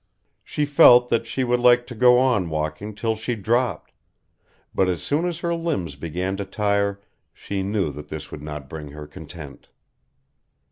She felt that she would like to go on walking till she dropped, but as soon as her limbs began to tire she knew that this would not bring her content.